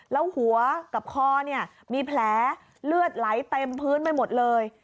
แล้วหัวกับคอเนี่ยมีแผลเลือดไหลเต็มพื้นไปหมดเลย